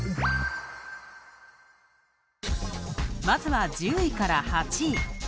まずは、１０位から８位。